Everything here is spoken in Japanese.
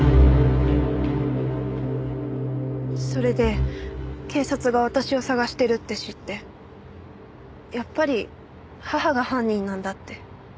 それで警察が私を捜してるって知ってやっぱり母が犯人なんだって。